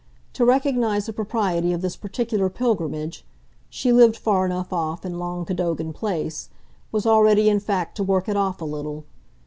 To recognise the propriety of this particular pilgrimage she lived far enough off, in long Cadogan Place was already in fact to work it off a little.